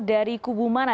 dari kubu mana